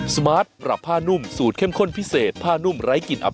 สวัสดีครับ